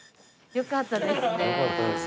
よかったです。